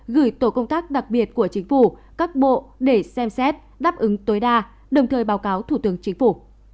gửi tổ công tác đặc biệt của chính phủ các bộ để xem xét đáp ứng tối đa đồng thời báo cáo thủ tướng chính phủ